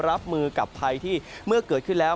รับมือกับภัยที่เมื่อเกิดขึ้นแล้ว